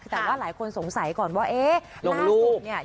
แต่ว่าหลายคนสงสัยก่อนว่าเอ๊ะล่าสุดเนี่ย